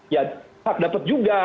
ya hak dapat juga